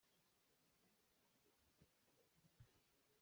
Meitlang a puak.